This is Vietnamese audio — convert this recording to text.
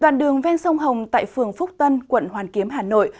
đoạn đường ven sông hồng tại phường phúc tân quận hoàn kiếm hà nội